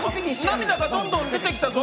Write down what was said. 涙がどんどん出てきたぞ。